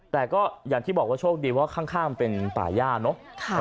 แต่ก็อย่างที่บอกว่าโชคดีว่าข้างมันเป็นป่าย่าเนอะ